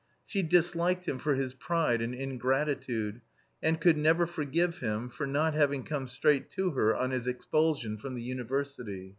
She disliked him for his pride and ingratitude and could never forgive him for not having come straight to her on his expulsion from the university.